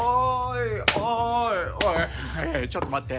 ちょっと待って。